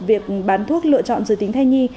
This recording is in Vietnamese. việc bán thuốc lựa chọn giữa tính thai nhi